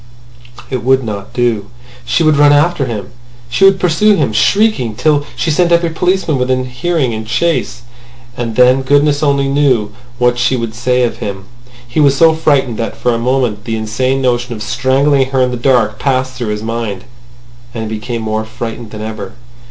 It would not do. She would run after him. She would pursue him shrieking till she sent every policeman within hearing in chase. And then goodness only knew what she would say of him. He was so frightened that for a moment the insane notion of strangling her in the dark passed through his mind. And he became more frightened than ever!